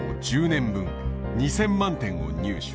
１０年分２，０００万点を入手。